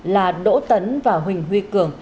là đỗ tấn và huỳnh huy cường